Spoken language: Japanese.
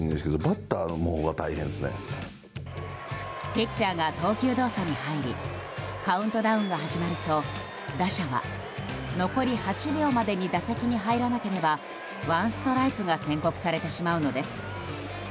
ピッチャーが投球動作に入りカウントダウンが始まると打者は残り８秒までに打席に入らなければワンストライクが宣告されてしまうのです。